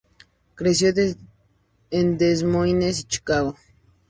Creció en Des Moines y Chicago.